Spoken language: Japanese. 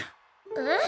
えっ？